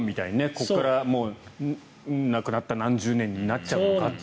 ここからなくなった何十年になっちゃうのかと。